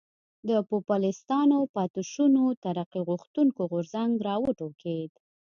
د پوپلستانو پاتې شونو ترقي غوښتونکی غورځنګ را وټوکېد.